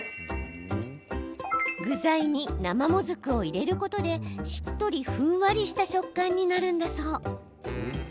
具材に生もずくを入れることでしっとり、ふんわりした食感になるんだそう。